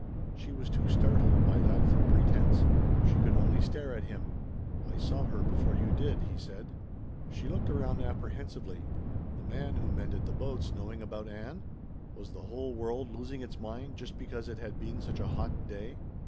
She was too startled by that for pretense. She could only stare at him. "I saw her before you did," he said. She looked around apprehensively. The man who mended the boats knowing about Ann? Was the whole world losing its mind just because it had been such a hot day?